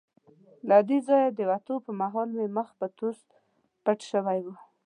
له دې ځایه د وتو پر مهال مې مخ په توس پټ شوی وو.